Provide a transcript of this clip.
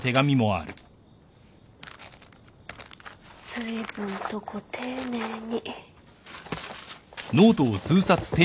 ずいぶんとご丁寧に。